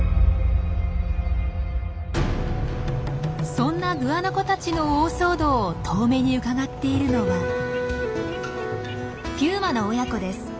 そんなグアナコたちの大騒動を遠目にうかがっているのはピューマの親子です。